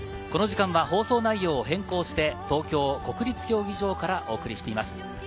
この時間は放送内容を変更して東京国立競技場からお送りしています。